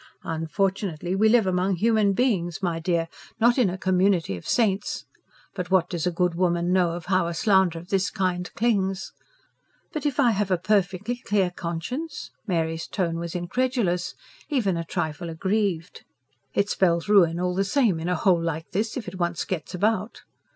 "Unfortunately we live among human beings, my dear, not in a community of saints! But what does a good woman know of how a slander of this kind clings?" "But if I have a perfectly clear conscience?" Mary's tone was incredulous, even a trifle aggrieved. "It spells ruin all the same in a hole like this, if it once gets about."